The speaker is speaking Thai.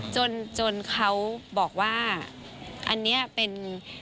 จนจนเขาบอกว่าอันนี้เป็น